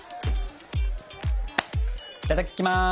いただきます！